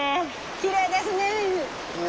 きれいですね川。